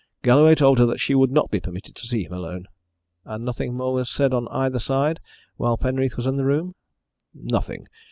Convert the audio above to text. Galloway told her that she would not be permitted to see him alone." "And nothing more was said on either side while Penreath was in the room?" "Nothing.